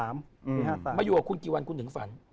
มาอยู่กับคุณกี่วันคุณถึงฝัน